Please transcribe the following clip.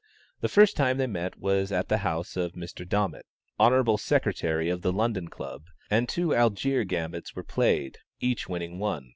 The first time they met was at the house of Mr. Domitt, Hon. Sec. of the London Club, and two Allgaier Gambits were played, each winning one.